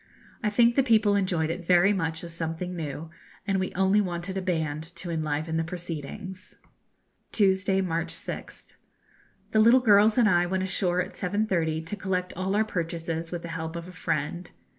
I think the people enjoyed it very much as something new, and we only wanted a band to enliven the proceedings. Tuesday, March 6th. The little girls and I went ashore at 7.30, to collect all our purchases with the help of a friend.